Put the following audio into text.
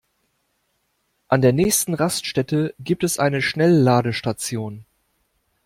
An der nächsten Raststätte gibt es eine Schnellladestation.